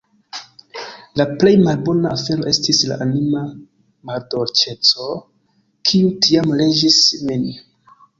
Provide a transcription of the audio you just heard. La plej malbona afero estis la anima maldolĉeco, kiu tiam regis min.